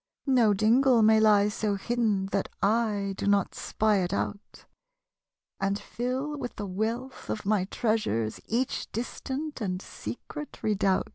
No dingle may lie so hidden That / do not spy it out, And fill with the wealih of my treasures Each distant and secret redoubt.